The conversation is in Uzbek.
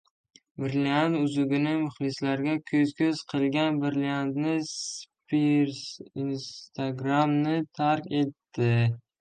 Brilliant uzugini muxlislariga ko‘z-ko‘z qilgan Britni Spirs "Instagram"ni tark etdi